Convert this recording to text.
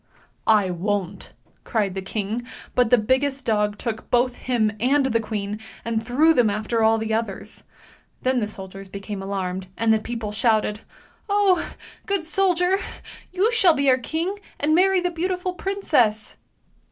" I won't! " cried the king, but the biggest dog took both him and the queen and threw them after all the others. Then the soldiers became alarmed, and the people shouted, "Oh! good soldier, you shall be our king, and marry the beautiful princess!